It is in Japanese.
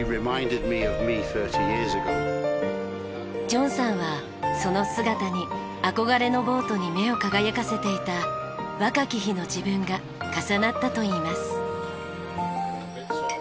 ジョンさんはその姿に憧れのボートに目を輝かせていた若き日の自分が重なったと言います。